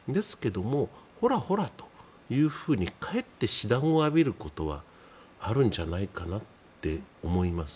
ですけども、ほらほらというふうにかえって指弾を浴びるということはあるんじゃないかなって思います。